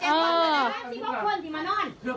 เออ